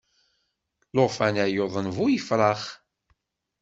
Llufan-a yuḍen bu yefrax.